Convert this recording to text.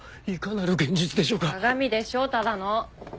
鏡でしょただの。